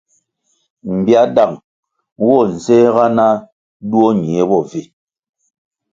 Mbiáh dang nwo mi nséhga na duo ñie bo vi.